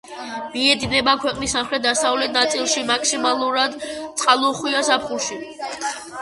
მიედინება ქვეყნის სამხრეთ-დასავლეთ ნაწილში, მაქსიმალურად წყალუხვია ზაფხულში.